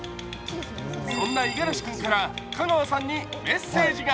そんな五十嵐君から、香川さんにメッセージが。